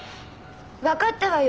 分かったわよ！